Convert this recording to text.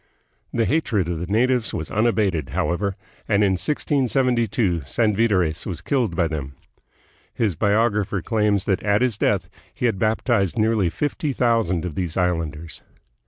The hatred of the natives was unabated, however, and in 1672 Sanvitores was killed by them. His biographer claims that at his death he had baptized nearly fifty thousand of these islanders.